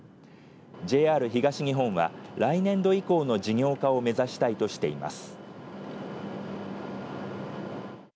ＪＲ東日本は来年度以降の事業化を目指したいとしています。